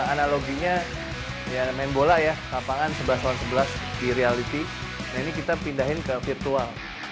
analoginya main bola ya lapangan sebelas sebelas di reality ini kita pindahin ke virtual